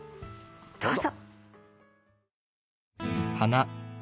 どうぞ。